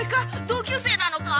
同級生なのか？